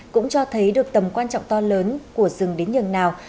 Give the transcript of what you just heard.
cũng cho thấy được tầm quan trọng to lớn của rừng đến nhường nào